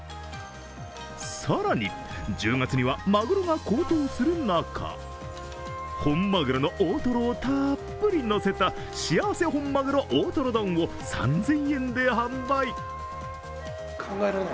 更に１０月には、まぐろが高騰する中、本マグロの大トロをたっぷりのせた幸せ本まぐろ大とろ丼を３０００円で販売。